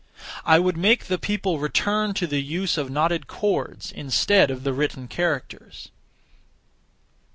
I would make the people return to the use of knotted cords (instead of the written characters).